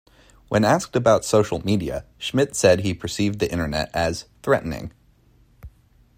When asked about social media, Schmidt said he perceived the internet as "threatening".